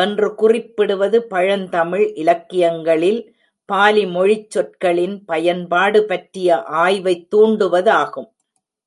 என்று குறிப்பிடுவது பழந்தமிழ் இலக்கியங்களில் பாலி மொழிச் சொற்களின் பயன்பாடு பற்றிய ஆய்வைத் தூண்டுவதாகும்.